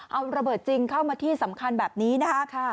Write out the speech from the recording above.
เอาระเบิดจริงเข้ามาที่สำคัญแบบนี้นะคะ